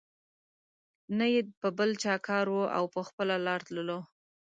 نه یې په بل چا کار وو او په خپله لار تللو.